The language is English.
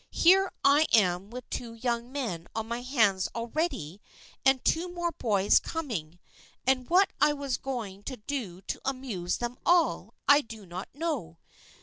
Here I am with two young men on my hands already and two more boys coming, and what I was going to do to amuse them all I did not know.